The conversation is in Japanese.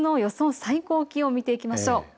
最高気温見ていきましょう。